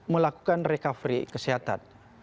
melakukan recovery kesehatan